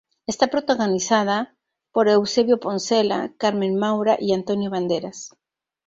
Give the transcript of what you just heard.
Está protagonizada por Eusebio Poncela, Carmen Maura y Antonio Banderas.